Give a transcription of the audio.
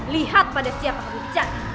lihat pada siapa yang dicat